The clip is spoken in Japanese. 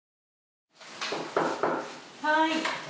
はい。